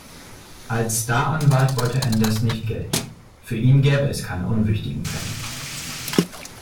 Als Staranwalt wollte er indes nicht gelten: Für ihn gebe es „keine unwichtigen Fälle“.